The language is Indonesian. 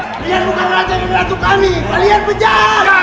kalian bukan raja yang nganjuk kami kalian penjahat